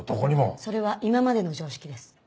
それは今までの常識です。